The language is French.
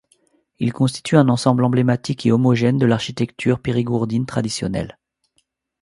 Il constitue un ensemble emblématique et homogène de l'architecture périgourdine traditionnelle.